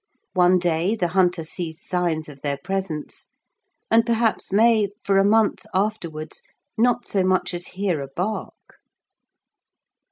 One day the hunter sees signs of their presence, and perhaps may, for a month afterwards, not so much as hear a bark.